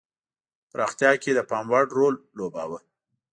پراختیا کې د پاموړ رول لوباوه.